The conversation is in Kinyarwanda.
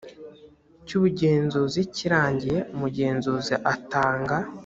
cy ubugenzuzi kirangiye umugenzuzi atanga